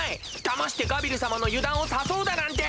だましてガビル様の油断を誘うだなんて！